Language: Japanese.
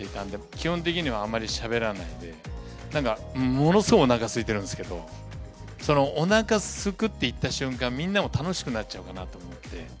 基本的にはあまりしゃべらないで、なんか、ものすごいおなかすいてるんですけど、そのおなかすくって言った瞬間、みんなが楽しくなっちゃうかなと思って。